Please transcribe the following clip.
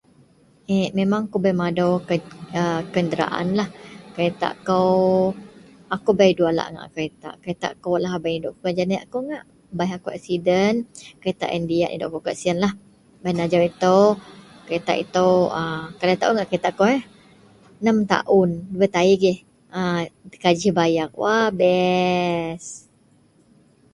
Eek aku memang bei mando kenderaanlah kereta kou aku bei ngak dua alak kereta. Kereta kou bei nebak janiek kou ngak baih ako xden kereta yian ngak diak nidok ko gak janiek kou. An ajau ito kereta kou ngak 6 tahun woo best bak kajih bayar.